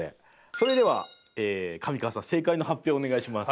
それでは上川さん正解の発表をお願いします。